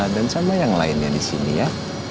dan sama yang lainnya disini ya